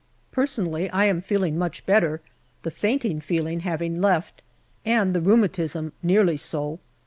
Personally I am feeling much better, the fainting feeling having left, and the rheumatism nearly so.